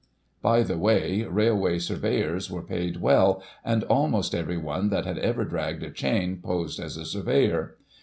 By the way. Railway surveyors were paid well, and almost everyone that had ever dragged a chain posed as a surveyor.